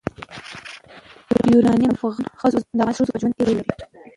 یورانیم د افغان ښځو په ژوند کې رول لري.